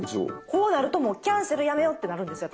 こうなるともうキャンセルやめようってなるんですよ